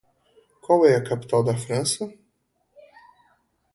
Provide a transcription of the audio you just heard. Qual é a capital da França?